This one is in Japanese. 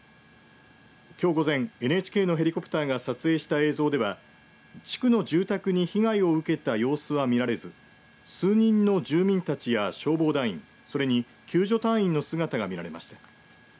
きょう午前ＮＨＫのヘリコプターが撮影した映像では地区の住宅に被害を受けた様子は見られず数人の住民たちや消防団員それに救助隊員の姿が見られました。